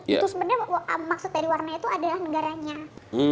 itu sebenarnya maksud dari warna itu adalah negaranya